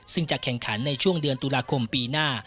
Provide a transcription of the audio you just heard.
ซึ่งจะแข่งขันในช่วงเดือนตุลาคมปีหน้า